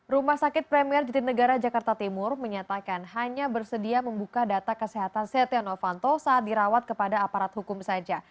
rumah sakit premier jatinegara jakarta timur menyatakan hanya bersedia membuka data kesehatan setia novanto saat dirawat kepada aparat hukum saja